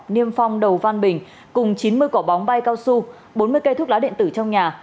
niêm phong đầu văn bình cùng chín mươi quả bóng bay cao su bốn mươi cây thuốc lá điện tử trong nhà